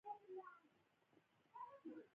د بانک له لارې د پیسو لیږد د جګړې خطر نه لري.